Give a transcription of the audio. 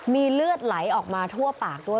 มีเลือดไหลออกมาทั่วปากด้วย